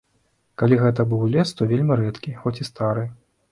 Калі гэта быў лес, то вельмі рэдкі, хоць і стары.